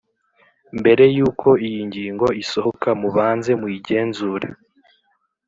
mbere yuko iyi ngingo isohoka mubanze muyigenzure